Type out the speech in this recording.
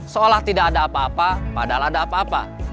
seolah tidak ada apa apa padahal ada apa apa